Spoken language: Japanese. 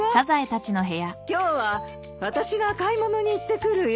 今日は私が買い物に行ってくるよ。